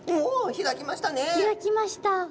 開きました。